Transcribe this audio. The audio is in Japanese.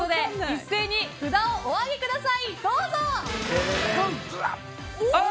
一斉に札をお上げください！